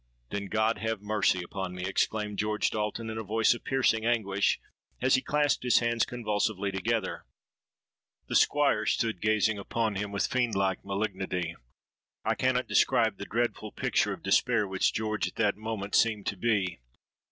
'—'Then God have mercy upon me!' exclaimed George Dalton, in a voice of piercing anguish, as he clasped his hands convulsively together. "The Squire stood gazing upon him with fiend like malignity. I cannot describe the dreadful picture of despair which George at that moment seemed to be.